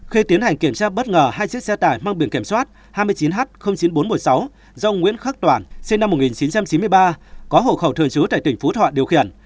khi tiến hành kiểm tra bất ngờ hai chiếc xe tải mang biển kiểm soát hai mươi chín h chín nghìn bốn trăm một mươi sáu do nguyễn khắc toản sinh năm một nghìn chín trăm chín mươi ba có hộ khẩu thường trú tại tỉnh phú thọ điều khiển